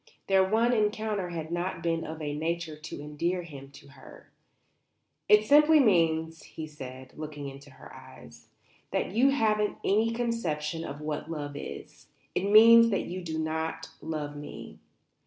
Their one encounter had not been of a nature to endear him to her. "It simply means," he said, looking into her eyes, "that you haven't any conception of what love is. It means that you don't love me."